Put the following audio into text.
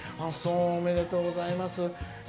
おめでとうございます。